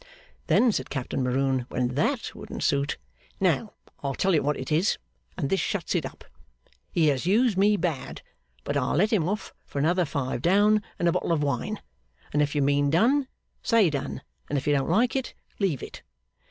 Then said Captain Maroon when that wouldn't suit, 'Now, I'll tell you what it is, and this shuts it up; he has used me bad, but I'll let him off for another five down and a bottle of wine; and if you mean done, say done, and if you don't like it, leave it.